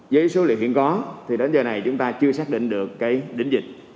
với số liệu hiện có thì đến giờ này chúng ta chưa xác định được cái đỉnh dịch